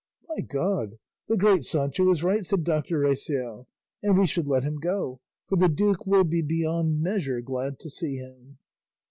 "By God the great Sancho is right," said Doctor Recio, "and we should let him go, for the duke will be beyond measure glad to see him."